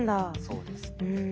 そうですね。